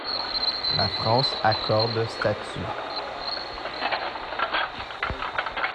La France accorde statuts.